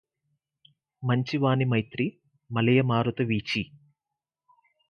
మంచి వాని మైత్రి మలయమారుత వీచి